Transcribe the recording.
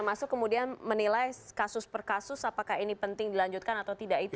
masuk kemudian menilai kasus per kasus apakah ini penting dilanjutkan atau tidak itu